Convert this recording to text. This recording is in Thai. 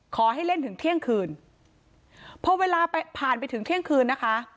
ขอให้เล่นถึงเที่ยงคืนพอเวลาผ่านไปถึงเที่ยงคืนนะคะ